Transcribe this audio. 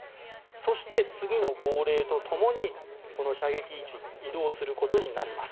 そして、次の号令とともにこの射撃位置に移動することになります。